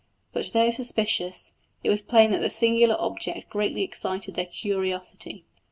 But though suspicious, it was plain that the singular object greatly excited their curiosity.